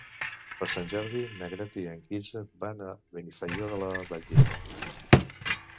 Per Sant Jordi na Greta i en Quirze van a Benifairó de la Valldigna.